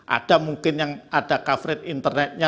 ada mungkin yang ada coverage internetnya